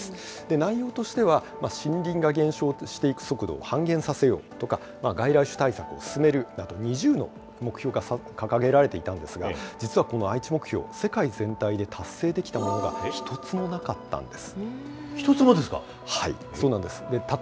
内容としては、森林が減少していく速度を半減させようとか、外来種対策を進めるなど、２０の目標が掲げられていたんですが、実はこの愛知目標、世界全体で達成できたものが１つもなかったんです。